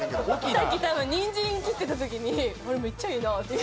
さっき多分ニンジン切ってた時に「あれめっちゃええな」って。